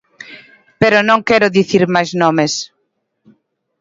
Pero non quero dicir máis nomes.